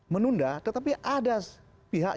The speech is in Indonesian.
menunda tetapi ada pihak